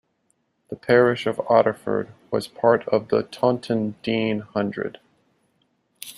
The parish of Otterford was part of the Taunton Deane Hundred.